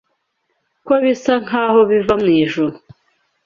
Ko bisa nkaho biva mwijuru